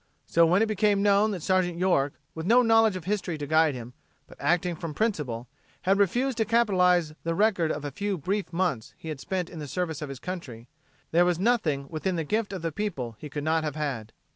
So when it became known that Sergeant York, with no knowledge of history to guide him, but acting from principle, had refused to capitalize the record of the few brief months he had spent in the service of his country, there was nothing within the gift of the people he could not have had.